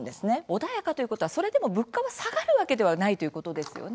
穏やかということはそれでも物価は下がるわけではないということですよね。